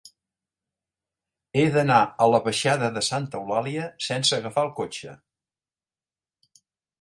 He d'anar a la baixada de Santa Eulàlia sense agafar el cotxe.